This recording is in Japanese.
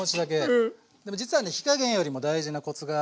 でも実はね火加減よりも大事なコツがあって。